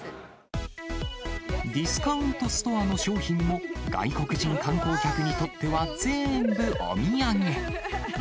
ディスカウントストアの商品も外国人観光客にとっては全部お土産。